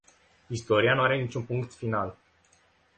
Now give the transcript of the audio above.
Istoria nu are niciun punct final.